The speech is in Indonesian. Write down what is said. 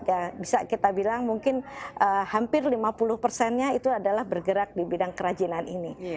ya bisa kita bilang mungkin hampir lima puluh persennya itu adalah bergerak di bidang kerajinan ini